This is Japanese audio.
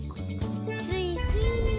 スイスイ。